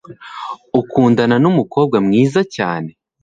ukundana numukobwa mwiza cyane